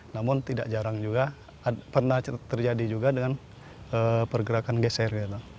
namun tidak jarang juga pernah terjadi juga dengan pergerakan geser